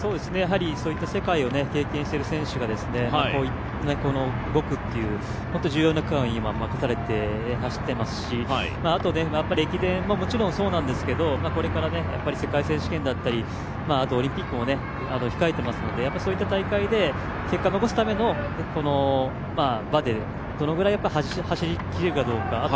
世界を経験している選手が５区という本当に重要な区間を任されて走っていますし、あと駅伝ももちろんそうなんですけどこれから世界選手権だったりオリンピックも控えてますのでそういった大会で結果を残すための場でどのぐらい走りきれるかどうか。